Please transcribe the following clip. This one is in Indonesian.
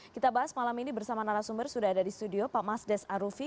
kita bahas malam ini bersama narasumber sudah ada di studio pak mas des arufi